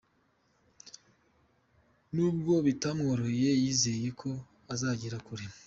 N'ubwo bitamworoheye yizeye ko azagera kure.